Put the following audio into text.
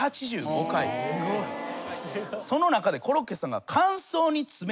その中でコロッケさんが。